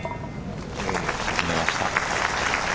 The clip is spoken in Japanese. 沈めました。